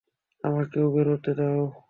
আমাকে বেরোতে দাও!